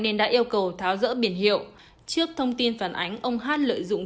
nên đã yêu cầu tháo rỡ biển hiệu trước thông tin phản ánh ông hát lợi dụng